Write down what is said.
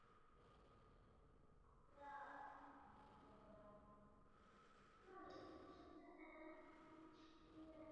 丈夫为查济民次子查懋成。